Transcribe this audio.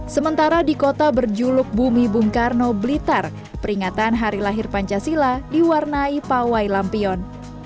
sementara di kota berjuluk bumi bung karno blitar peringatan hari lahir pancasila diwarnai pawai lampion